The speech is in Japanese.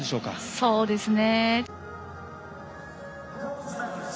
そうですね。